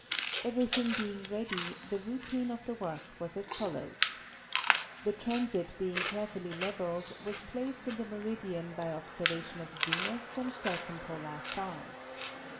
Everything being ready, the routine of the work was as fol lows :—The transit being carefully leveled was placed in the meridian by observation of zenith and circumpolar stars.